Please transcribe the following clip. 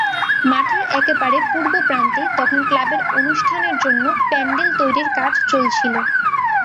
মাঠের একেবারে পূর্ব প্রান্তে তখন ক্লাবের অনুষ্ঠানের জন্য প্যান্ডেল তৈরির কাজ চলছিল।